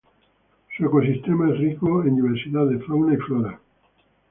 Su ecosistema es rico en diversidad de fauna y flora.